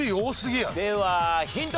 ではヒント